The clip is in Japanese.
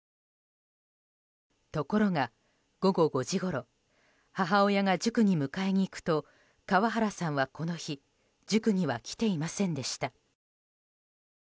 ところが午後５時ごろ母親が塾に迎えに行くと川原さんは、この日塾には来ていませんでした。